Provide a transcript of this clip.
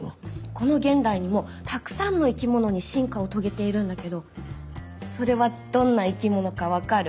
この現代にもたくさんの生き物に進化を遂げているんだけどそれはどんな生き物か分かる？